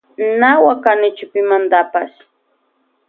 Na wakanichu pimantapash.